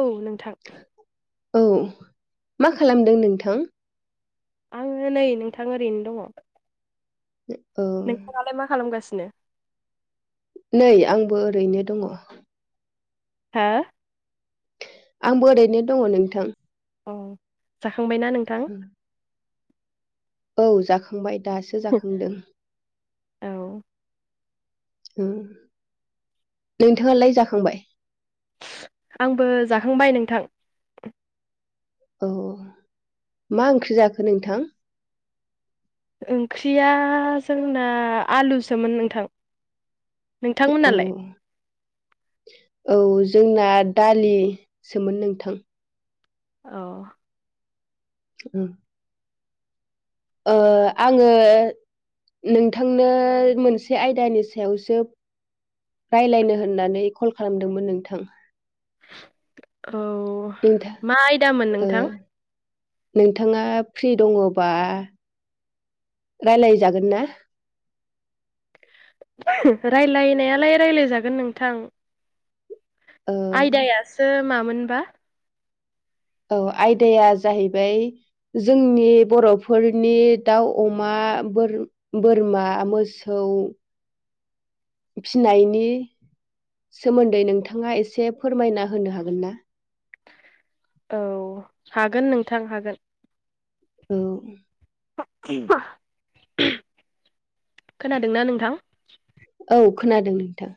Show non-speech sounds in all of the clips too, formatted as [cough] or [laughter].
औ नोंथां। औ मा खालामदों नोंथां? आङो नै नोंथां ओरैनो दङ। ओ। दालाय मा खालामगासिनो? नै आंबो ओरैनो दङ। हो? आंबो ओरैनो दङ नोंथां। अह जाखांबायना नोंथां? औ जाखांबाय दासो जाखांदों। औ उम नोंथाङालाय जाखांबाय? आंबो जाखांबाय नोंथां। औ मा ओंख्रि जाखो नोंथां? ओंख्रिया जोंना आलुसोमोन नोंथां। नोंथांमोनालाय अह। औ जोंना दालिसोमोन नोंथां। अह। [unintelligible] ओ आङो नोंथांनो मोनसे आयदानि सायावसो रायज्लायनो होननानै कल खालामदोंमोन नोंथां। औ। नोंथा मा आयदामोन ओ नोंथां नोंथाङा फ्रि दङबा राय्लायजागोन ना रायज्लायनायालाय रायज्लायजागोन नोंथां ओ आयदायासो सो मामोनबा औ आयदाया जाहैबाय जोंनि बर'फोरनि दाउ अमा बोर बोरमा मोसौ फिनायनि सोमोन्दै नोंथाङा एसे फोरमायना होनो हागोन ना औ हागोन नोंथां हागोन औ खोनादोंना नोंथां औ खोनादों नोंथां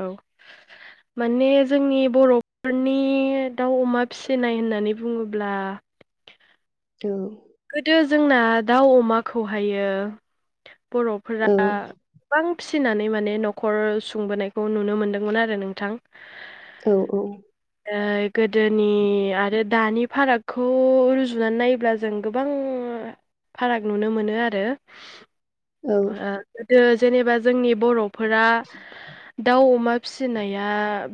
औ माने जोंनि बर'फोरनि बे दाउ अमा फिसिनाय होननानै बुङोब्ला औ गोदो जोंना दाउ अमाखौ हाय बर'फोरा औ गोबां फिसिनानै माने न'खर सुंबोनायखौ नुनो मोनदोंमोन आरो नोंथां औ-औ गोदोनि आरो दानि फारागखौ रुजुनानै नायोब्ला जों गोबां फाराग नुनो मोनो आरो औ जेनेबा जोंनि बर'फोरा दाउ अमा फिसिनाया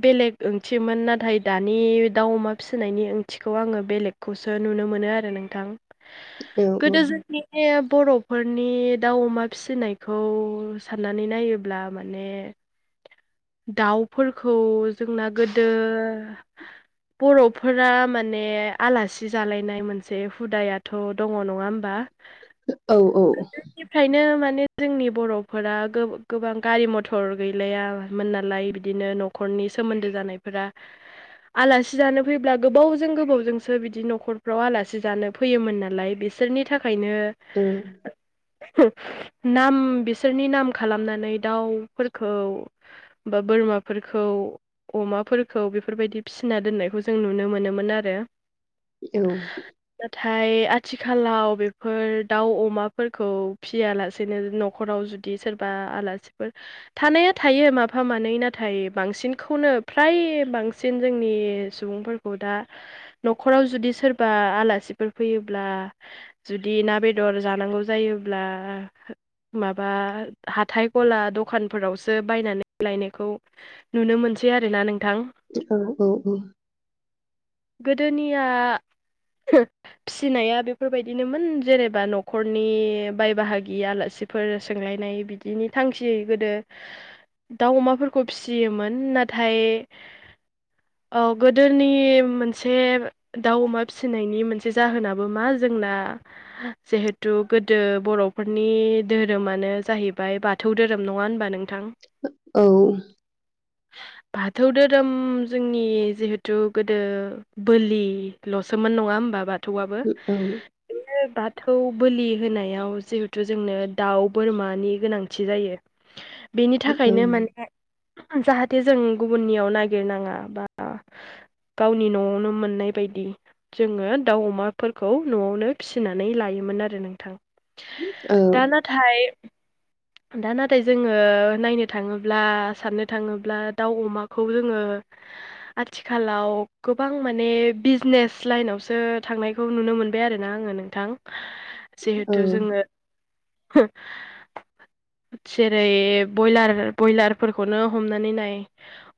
बेलेग ओंथिमोन नाथाय दानि दाउ अमा फिसिनायनि ओंथिखौ आङो बेलेगखौसो नुनो मोनो आरो नोंथां औ गोदो जोंनि बे बर'फोरनि दााव अमा फिसिनायखौ साननानै नायोब्ला माने [inaudible] दाउफोरखौ जोंना गोदो बर'फोरा माने आलासि जालायनाय मोनसे हुदायानो थ' दङ नङा होमबा औ-औ निफ्रायनो माने जोंनि बर'फोरा गोबां गारि मथर गैलायामोन नालाय बिदि बिदिनो न'खरनि सोमोन्दो जानायफोरा आलासि जानो फैब्ला गोबावजों गोबावजोंसो बिदि न'खरफ्राव आलासि जानो फै फैयोमोन नालाय बिसोरनि थाखायनो औ नाम बिसोरनि नाम खालामनानै दाउफोरखौ बा बोरमाफोरखौ अमाफोरखौ बेफोरबायदि फिसिना दोननायखौ जों नुनो मोनोमोन आरो औ नाथाय आथिखालाव बेफोर दाउ अमाफोरखौ फिसियालासेनो न'खराव जु जुदि सोरबा आलासिफोर थानाया थायो माफा मानै नाथाय बांसिनखौनो फ्राय बांसिन जोंनि सुबुंफोरखौ दा न'खराव जुदि सोरबा आलासिफोर फैयोब्ला जुदि ना बेदर जानांगौ जायोब्ला माबा हाथाय गला दखानफोरावसो बायनानै लायनायखौ नुनो मोनसै आरोना नोंथां औ-औ-औ गोदोनिया फिसिनाया बेफोरबायदिनोमोन जेनेबा न'खरनि बाय बाहागि आलासि फोर सोंलायनाय बिदिनि थांखियै गोदो दाउ अमाफोरखौ फिसियोमोन नाथाय औ गोदोनि मोनसे दाउ अमा फिसिनायनि मोनसे जाहोनाबो मा जोंना जिहेथु गोदो बर'फोरनि धोरोमानो जाहैबाय बा थौ धोरोम नङा होनबा नोंथां औ बाथौ धोरोम जोंनि जिहेथु गोदो बोलिल'सोमोन नङा होमबा बाथौआबो बे बाथौ बोलि होनायाव जिहेथु जोंनो दाउ बोरमानि गोनांथि जायो। बेनि थाखायनो माने जाहाथे जों गुबुननियाव नागिरनाङा बा नि न'आवनो मोननाय बायदि जोङो दाउ अमाफोरखौ न'आवनो फिसिनानै लायोमोन आरो नोंथां। दा नाथाय दा नाथाय जोङो नायनो थाङोब्ला साननो थाङोब्ला दाउ अमाखौ जोङो आथिखालाव गोबां माने बिजनेस लाइनावसो थांनायखौ नुनो मोनबाय आरोना आङो नोंथां। जिहेथु जोङो जेरै बयलार ब्रयलारफोरखौनो हमनानै नाय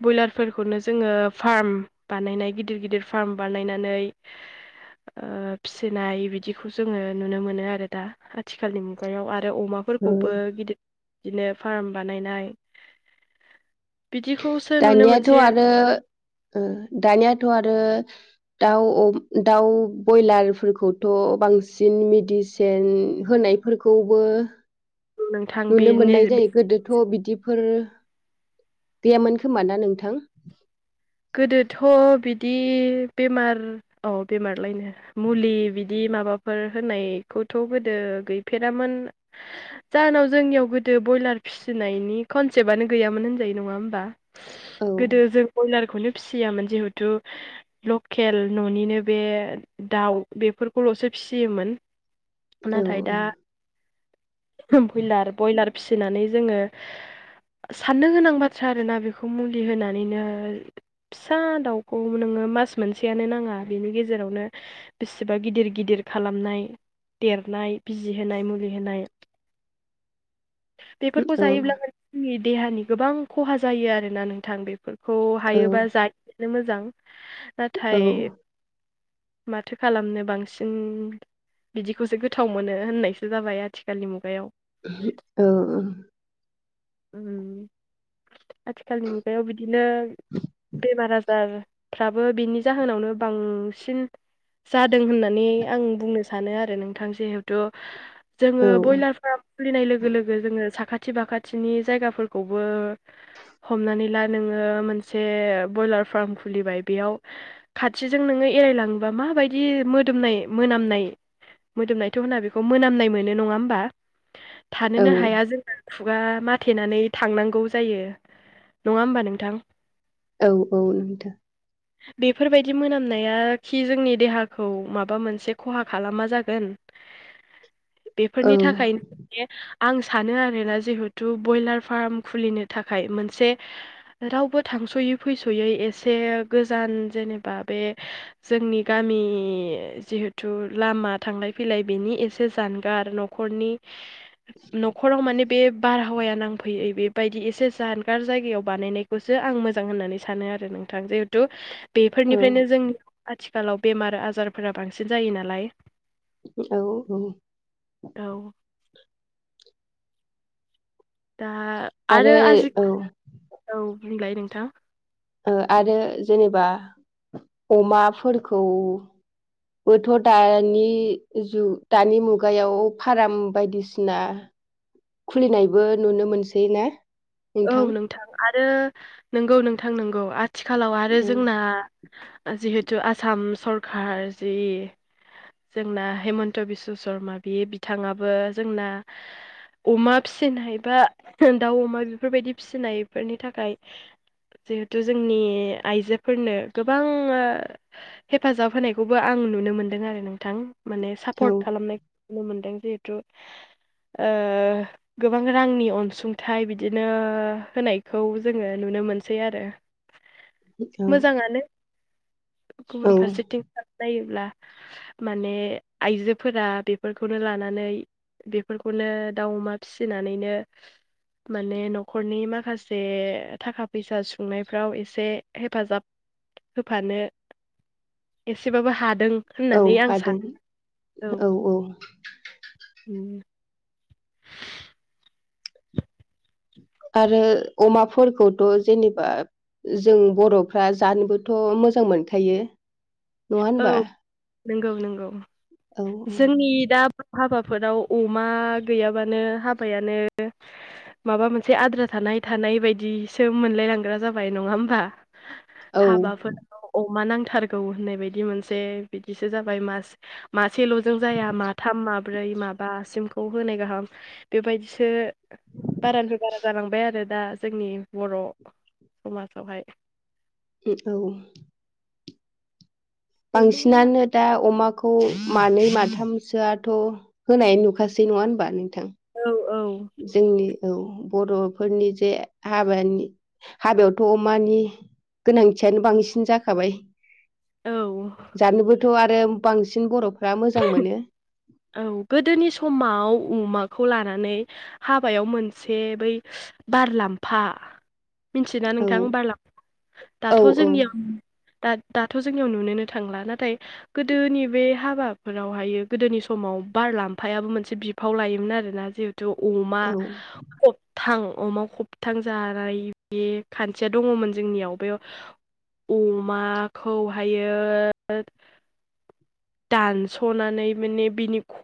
ब्रयलारफोरखौनो जोङो फार्म बानायनाय गिदिर गिदिर फार्म बानायनानै ओ फिसिनाय बिदिखौ जोङो नुनो मोनो आरो दा‌। आथिखालनि मुगायाव आरो अमा फोरखौबो गिदिर बिदिनो फार्म बानायनाय बिदिखौ दानियाथ' आरो ओ दानियाथ' आरो दाउ अ दाउ बयलारफोरखौथ' बांसिन मेडिसिन होनाय फोरखौबो आरो नोंथां नुनो बेनि मोननाय बे जायो गोदोथ' बिदि फोर गैयामोन खोमा ना नोंथां गोदोथ' बिदि बेमार औ बेमारलायनो मुलि बिदि माबाफोर होनायखौथ' गोदो गैफेरामोन जाहोनाव जोंनियाव गोदो ब्रयलार फि फिसिनायनि खनसेबानो गैयामोन होनजायो नंङा होनबा औ गोदो जों बयलार खौनो फिसियामोन जिहेथु लकेल न'निनो बे दाउ बेफोरखौल'सो फिसियोमोन औ नाथाय दा बयलार बयलार फिसिनानै जोङो साननो गोनां बाथ्रा आरोना बेखौ मुलि होनानैनो फिसा दाउखौ नोङो मास मोनसेयानो नाङा बेनि गेजेरावनो बेसेबा गिदिर गिदिर खालामनाय देरनाय बिजि होनाय मुलि होनाय बेफोरखौ औ जायोब्लाानो जोंनि देहानि गोबां खहा जायो आरोना नोंथां बेफोर खौ औ हायोबा जा [inaudible] मोजां औ नाथाय माथो खालामनो बांसिन बिदिखौसो गोथाव मोनो होननायसो जाबाय आथिखालनि मुगायाव औ औ उम आथिखालनि मुगायाव बिदिनो बेमार आजार फ्राबो बिनि जाहोनावनो बांसिन जादों होननानै आं बुंनो सानो आरो नोंथां जिहेथु जोङो बयलार फार्म फुलिनाय लोगो लोगो जोङो साखाथि बाखा थिनि जायगाफोरखौबो हमनानै ला नोङो मोनसे बयलार फार्म खुलिबाय बेयाव खाथिजों नोङो एरायलाङोबा माबायदि मोदोमनाय मोनामनाय मोदोमनायथ' होना बेखौ मोनामनाय मोनो नङा होमबा औ थानोनो हाया जोङो खुगा माथेनानै थांनांगौ जायो नङा होमबा नोंथां औ औ नंथ' [unintelligible] बेफोरबायदि मोनामनाया खि जोंनि देहाखौ माबा मोनसे खहा खालामा जागोन [inaudible] बेफोरनि थाखाय आं सानो आरो ना जिहथु बयलार फार्म खुलिनो थाखाय मोनसे रावबो थांस'यै फैस'यै एसे गोजान जेनेबा बे जोंनि गामि जिहेथु लामा थांलाय फैलाय बेनि एसे जानगार न'खरनि न'खराव माने बे बारहावाया नांफैयै बेबायदि एसे जानगार जायगायाव बानायनायखौसो आं मोजां होननानै सानो आरो नोंथां जिहेतु थु औ बेफोरनिफ्रायनो जोंनि आथिखालाव बेमार आजारफोरा बांसिन जायो नालाय औ औ। औ दा आरो आजि औ ओ औ बुंलाय नोंथां ओ आरो जेनेबा अमाफोरखौ बोथ' दानि जु दानि मुगायाव फाराम बायदिसिना खुलिनायबो नुनो मोनसै ना? औ नोंथां आरो नोंगौ नोंथां नोंगौ आथिखालाव आरो जोंना जिहेतु आसाम सरकार जि जोंना हेमन्त बिस्वशर्मा बि बिथाङाबो जोंना अमा फिसिनाय बा दाउ अमा बेफोरबायदि फिसिनायफोरनि थाखाय जिहेथु जोंनि आइजोफोरनो गोबां ओ हेफाजाब होनायखौबो आं नुनो मोनदों आरो नोंथां माने औ सापर्ट खालामनाय नु मोनदों जिहेथु ओ गोबां रांनि अनसुंथाइ बि बिदिनो होनायखौ जोङो नुनो मोनसै आरो मोजाङानो औ गुबुन फारसेथिं खालाम नायोब्ला। माने आइजोफोरा बेफोरखौनो लानानै बेफोरखौनो दाउ अमा फिसिनानैनो माने न'खरनि माखासे थाखा फैसा सुंनायफ्राव एसे हेफाजाब होफानो एसेबाबो हादों औ होननानै आं हादों औ औ उ [unintelligible] आरो अमाफोरखौथ' जेनेबा जों बर'फ्रा जानोबोथ' मोजां मोनखायो नङा होनबा? नोंगौ नोंगौ औ जोंनि दा हाबाफोराव अमा गैयाबानो हाबायानो माबा मोनसे आद्रा थानाय थानाय बायदिसो मोनलाय लांग्रा जाबाय नङा होमबा? औ हाबाफोराव अमा नांथारगौ होननाय बायदि मोनसे बिदिसो जाबाय मास मासेल'जों जाया माथाम माब्रै माबासिम खौ होनाय गाहाम बेबायदिसो बारानिफ्राय बारा जालांबाय आरो दा जोंनि बर' समाजावहाय उ औ अमा बांसिनानो दा अमाखौ मानै माथामसोआथ' होनाय नुखासै नङा होनबा नोंथां? औ औ जोंनि औ बर'फोरनि जे हाबानि हाबायावथ' अमानि गोनांथियानो बांसिन जाखाबाय औ जानोबोथ' आरो बांसिन बर'फ्रा मोजां मोनो। औ गोदोनि समाव अमाखौ लानानै हाबायाव मोनसे बै बारलाम्फा मिथियोना औ नोंथां बारलामफा? औ दाथ' औ जोंनियाव दा दाथ' जोंनियाव नुनोनो थांला नाथाय गोदोनि बे हाबाफोरावहायो गोदोनि सम समाव बार फायाबो मोनसे बिफाव लायोमोन आरोना जिहेतु अमा औ खबथां अमा खबथां जानाय बे खान्थिया दङमोन जोंनियाव बे अमाखौहायो दानस'नानै माने बिनि ख'